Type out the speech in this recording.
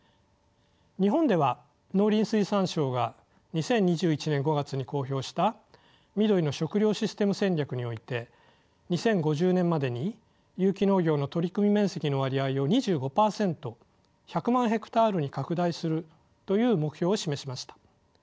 日本では農林水産省が２０２１年５月に公表したみどりの食料システム戦略において２０５０年までに有機農業の取組面積の割合を２５％１００万ヘクタールに拡大するという目標を示しました。